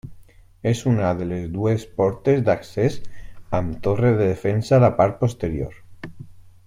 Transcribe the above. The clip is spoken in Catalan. És una de les dues portes d'accés, amb torre de defensa a la part posterior.